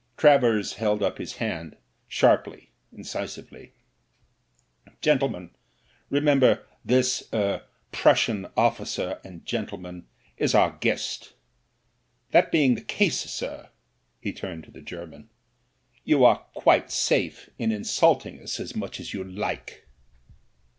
Travers held up his hand, sharply, incisively. "Gentlemen, remember this— er — Prussian officer and gentleman is our guest. That being the case, sir" — he turned to the German — "you are quite safe in insulting us as much as you like."